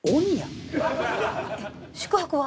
宿泊は？